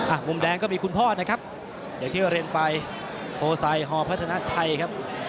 มุมแดงก็มีคุณพ่อนะครับอย่างที่เรียนไปโพไซฮอพัฒนาชัยครับ